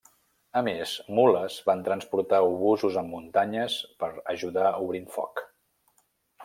A més, mules van transportar obusos en muntanyes per ajudar obrint foc.